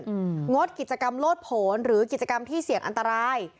งดกิจกรรมโลดผลหรือกิจกรรมที่เสี่ยงอันตราย